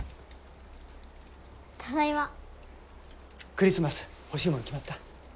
クリスマス欲しいもの決まった？